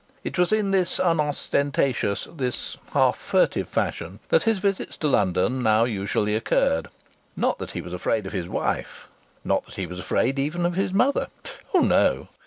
It was in this unostentatious, this half furtive fashion, that his visits to London now usually occurred. Not that he was afraid of his wife! Not that he was afraid even of his mother! Oh, no!